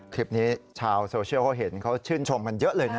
คลิปนี้ชาวโซเชียลเขาเห็นเขาชื่นชมกันเยอะเลยนะ